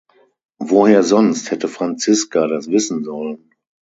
Woher sonst hätte Franziska das wissen sollen?